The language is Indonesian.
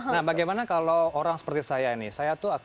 nah bagaimana kalau orang seperti saya ini